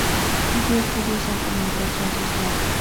Siguió estudios de Comunicación Social.